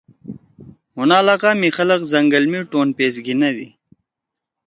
مُھن علاقہ می خلگ زنگل می ٹون پیس گھیِندی۔